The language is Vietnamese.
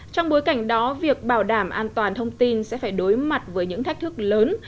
trong bối cảnh đó việc bảo đảm an toàn thông tin sẽ phải đối mặt với những thách thức lớn